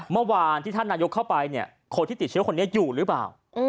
เมื่อวานที่ท่านนายกเข้าไปเนี่ยคนที่ติดเชื้อคนนี้อยู่หรือเปล่า